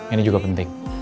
ini juga penting